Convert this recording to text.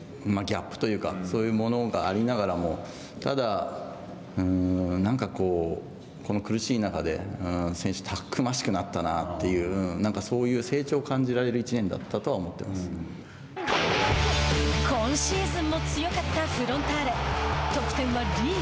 数字と内容のギャップというかそういうものがありながらもただ、なんかこうこの苦しい中で選手、たくましくなったなという、なんかそういう成長を感じられる今シーズンも強かったフロンターレ。